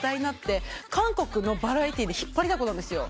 韓国のバラエティーで引っ張りだこなんですよ。